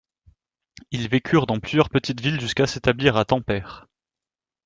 Ils vécurent dans plusieurs petites villes jusqu'à s'établir à Tampere.